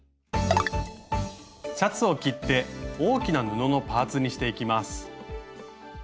シャツを切って大きな布のパーツにしていきます。